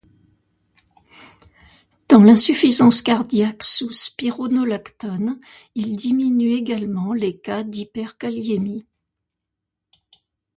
Dans l'insuffisance cardiaque sous spironolactone, il diminue également les cas d'hyperkaliémies.